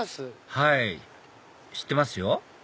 はい知ってますよ